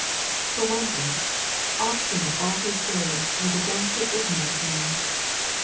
For one thing, Obstinate all his days was a densely ignorant man.